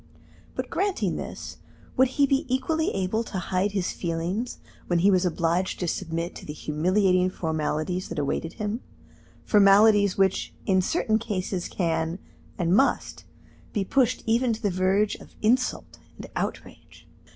But granting this, would he be equally able to hide his feelings when he was obliged to submit to the humiliating formalities that awaited him formalities which in certain cases can, and must, be pushed even to the verge of insult and outrage?